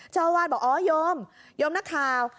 เจ้าอาวาสบอกอ๋อโยมโยมนักข่าว